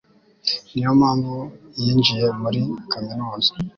Niyo mpamvu yinjiye muri kaminuza